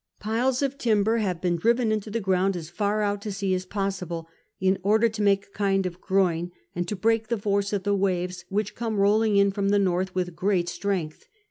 Piles of timb(ir have been driven into the ground as far out to sea as possible, in order to make a kind of groyne and to l>reak the fo!ce of the waves, which come rolling in from the north with great strength.